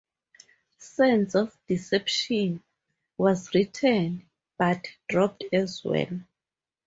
"Sands of Deception" was written, but dropped as well.